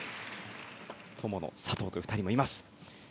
友野、佐藤という２人もいます。